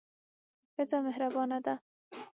ښځه مهربانه ده.